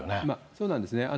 そうなんですよね。